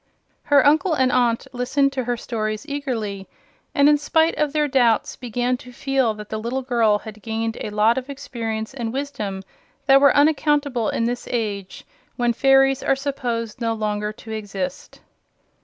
Her uncle and aunt listened to her stories eagerly and in spite of their doubts began to feel that the little girl had gained a lot of experience and wisdom that were unaccountable in this age, when fairies are supposed no longer to exist.